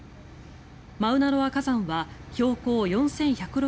マウナロア火山は標高４１６９ｍ